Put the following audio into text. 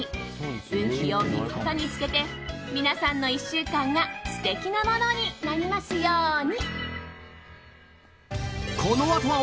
運気を味方につけて皆さんの１週間が素敵なものになりますように！